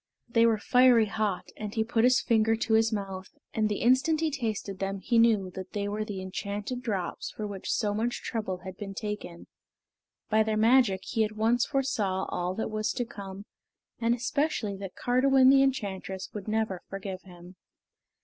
They were fiery hot, and he put his finger to his mouth, and the instant he tasted them he knew that they were the enchanted drops for which so much trouble had been taken. By their magic he at once foresaw all that was to come, and especially that Cardiwen the enchantress would never forgive him.